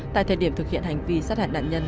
tại thời điểm thực hiện hành vi sát hại nạn nhân